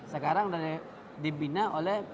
sekarang sudah dibina oleh